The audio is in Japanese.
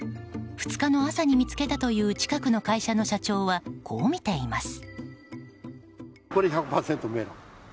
２日の朝に見つけたという近くの会社の社長はこう見ています。